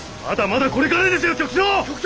まだまだこれからですよ局長！